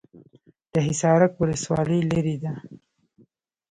د حصارک ولسوالۍ لیرې ده